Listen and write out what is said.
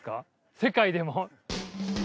世界でも。